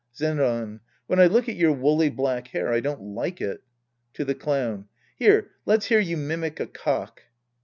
Zenran. When I look at your woolly black liair, I don't like it. {To the Clown.) Here, let's hear you mimic a cock.